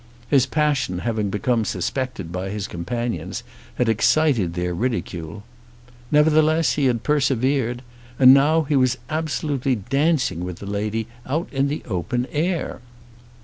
His passion having become suspected by his companions had excited their ridicule. Nevertheless he had persevered; and now he was absolutely dancing with the lady out in the open air.